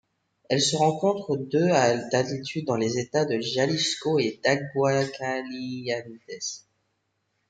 Elle se rencontre de à d'altitude dans les États de Jalisco et d'Aguascalientes.